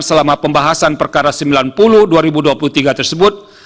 selama pembahasan perkara sembilan puluh dua ribu dua puluh tiga tersebut